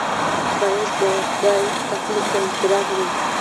ښایست د خدای تخلیق ته احترام دی